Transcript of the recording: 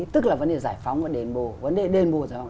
tức là vấn đề giải phóng vấn đề đền bồ vấn đề đền bồ giải phóng